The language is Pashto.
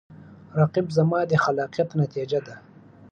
رقیب زما د خلاقیت نتیجه ده